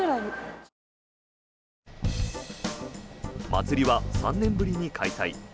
祭りは３年ぶりに開催。